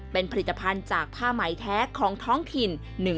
เป็นผลิตภัณฑ์จากผ้าไหมแท้ของท้องถิ่น